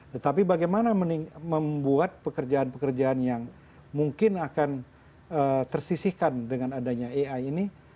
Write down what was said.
tetapi bagaimana membuat pekerjaan pekerjaan yang mungkin akan tersisihkan dengan adanya ai ini